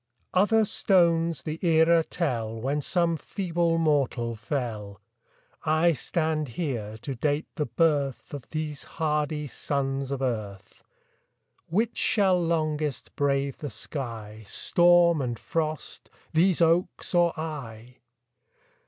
Other stones the era tell When some feeble mortal fell; I stand here to date the birth Of these hardy sons of earth. Which shall longest brave the sky, Storm and frost these oaks or I?